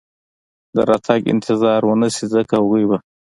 د راتګ انتظار و نه شي، ځکه هغوی به.